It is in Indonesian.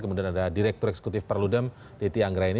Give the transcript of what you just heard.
kemudian ada direktur eksekutif perludem titi anggraini